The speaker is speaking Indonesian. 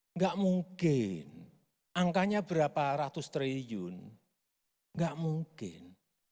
enggak mungkin angkanya berapa ratus triliun enggak mungkin